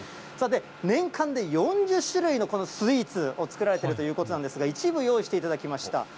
さて、年間で４０種類のこのスイーツを作られているということなんですが、一部用意していただきました。